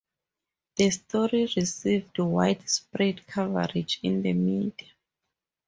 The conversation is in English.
The story received widespread coverage in the media.